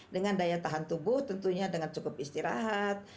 dengan daya tahan tubuh tentunya dengan cukup istirahat